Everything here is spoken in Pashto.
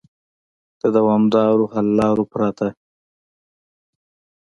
د دوامدارو حل لارو پرته